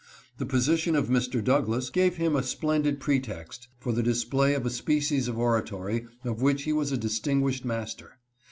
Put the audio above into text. The position of Mr. Douglas gave him a splendid pretext for the display of a species of oratory of which he was a distinguished master.